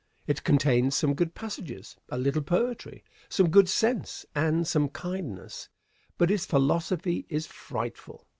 It contains some good passages, a little poetry, some good sense, and some kindness; but its philosophy is frightful.